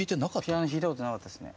ピアノ弾いた事なかったですね。